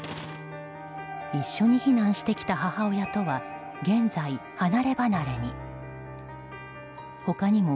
一緒に避難した母親とは現在、離ればなれに。